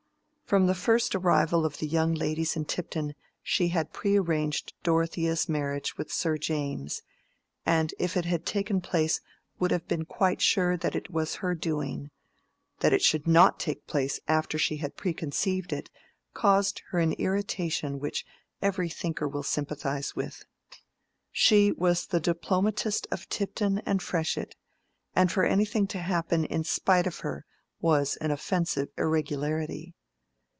From the first arrival of the young ladies in Tipton she had prearranged Dorothea's marriage with Sir James, and if it had taken place would have been quite sure that it was her doing: that it should not take place after she had preconceived it, caused her an irritation which every thinker will sympathize with. She was the diplomatist of Tipton and Freshitt, and for anything to happen in spite of her was an offensive irregularity.